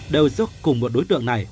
đều rút cùng một đối tượng này